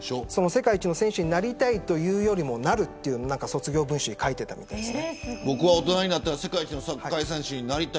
世界一の選手になりたいというよりもなると卒業文集に書いていたそうです。